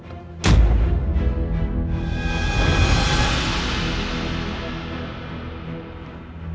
aku sudah terbiasa dengan sifat busuk seperti itu